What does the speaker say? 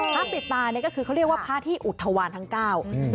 ปิดตาก็คือเขาเรียกว่าพระที่อุทธวารทั้งเก้า